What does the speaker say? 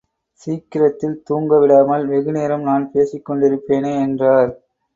சீக்கிரத்தில் தூங்கவிடாமல் வெகுநேரம் நான் பேசிக் கொண்டிருப்பேனே என்றார்.